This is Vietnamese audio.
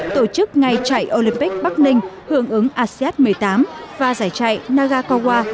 tổ chức ngày chạy olympic bắc ninh hướng ứng asean một mươi tám và giải chạy nagakawa